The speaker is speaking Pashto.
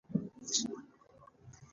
په انساني اړیکو کې د ودې باعث ګرځي.